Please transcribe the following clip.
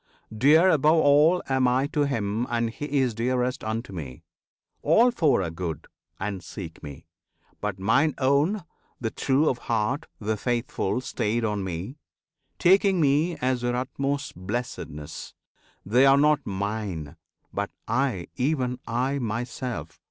Dear, above all, am I To him; and he is dearest unto me! All four are good, and seek me; but mine own, The true of heart, the faithful stayed on me, Taking me as their utmost blessedness, They are not "mine,"but I even I myself!